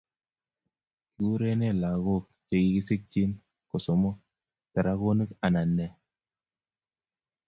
Kiigure neeh lagok che kagisikchin ko somok? Taragonik anan nee